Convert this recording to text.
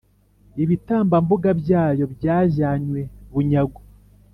Ibitambambuga byayo byajyanywe bunyago,